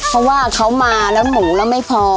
เพราะว่าเขามาแล้วหมูแล้วไม่พอ